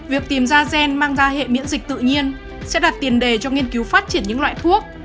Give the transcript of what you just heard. việc tìm ra gen mang ra hệ miễn dịch tự nhiên sẽ đặt tiền đề cho nghiên cứu phát triển những loại thuốc